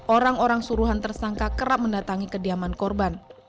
orang orang suruhan tersangka kerap mendatangi kediaman korban